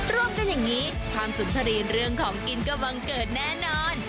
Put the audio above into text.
รวมกันอย่างนี้ความสุขทรีนเรื่องของกินก็บังเกิดแน่นอน